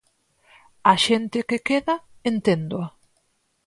Á xente que queda, enténdoa.